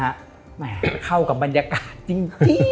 แหมเข้ากับบรรยากาศจริง